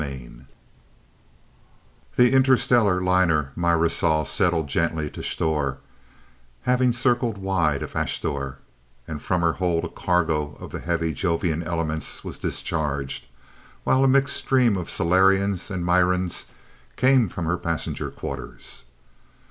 EPILOGUE The interstellar liner "Mirasol" settled gently to Sthor, having circled wide of Asthor, and from her hold a cargo of the heavy Jovian elements was discharged, while a mixed stream of Solarians and Mirans came from her passenger quarters.